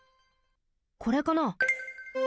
これかな？